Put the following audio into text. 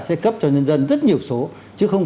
sẽ cấp cho nhân dân rất nhiều số chứ không